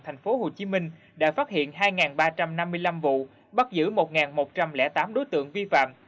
thành phố hồ chí minh đã phát hiện hai ba trăm năm mươi năm vụ bắt giữ một một trăm linh tám đối tượng vi phạm